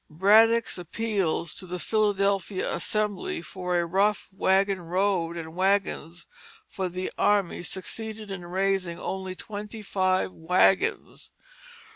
Braddock's appeals to the Philadelphia Assembly for a rough wagon road and wagons for the army succeeded in raising only twenty five wagons.